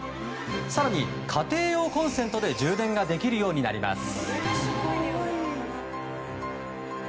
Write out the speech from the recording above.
更に家庭用コンセントで充電ができるようになります。